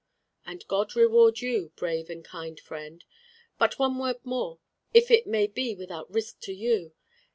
"And God reward you, brave and kind friend. But one word more, if it may be without risk to you.